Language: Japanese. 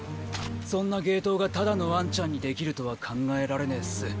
そんな芸当がただのあんちゃんにできるとは考えられねぇっす。